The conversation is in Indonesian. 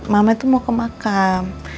mama itu mau ke makam